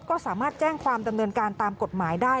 ก็สามารถแจ้งความดำเนินการตามกฎหมายได้